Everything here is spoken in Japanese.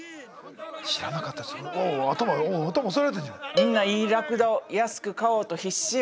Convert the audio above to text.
みんないいラクダを安く買おうと必死や。